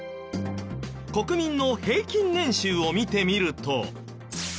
国民の平均年収を見てみると。